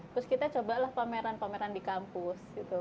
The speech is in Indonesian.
terus kita coba lah pameran pameran di kampus gitu